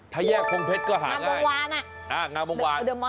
ถ้าแยกพงเพชรก็หาง่ายงามงวานน่ะ